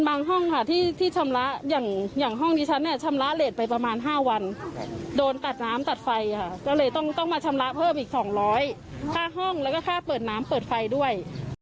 ห้องค่ะที่ชำระอย่างห้องดิฉันเนี่ยชำระเลสไปประมาณ๕วันโดนตัดน้ำตัดไฟค่ะก็เลยต้องมาชำระเพิ่มอีก๒๐๐ค่าห้องแล้วก็ค่าเปิดน้ำเปิดไฟด้วย